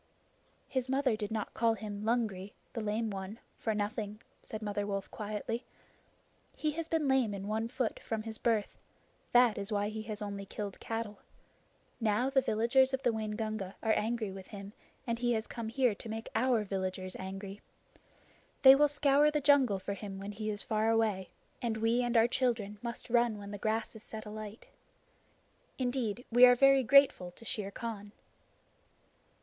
"His mother did not call him Lungri [the Lame One] for nothing," said Mother Wolf quietly. "He has been lame in one foot from his birth. That is why he has only killed cattle. Now the villagers of the Waingunga are angry with him, and he has come here to make our villagers angry. They will scour the jungle for him when he is far away, and we and our children must run when the grass is set alight. Indeed, we are very grateful to Shere Khan!"